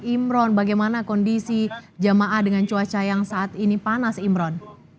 imron bagaimana kondisi jamaah dengan cuaca yang saat ini panas imron